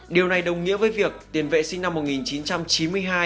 điều này đồng nghĩa với việc tiền vệ sinh năm một nghìn chín trăm chín mươi hai